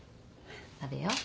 食べよう。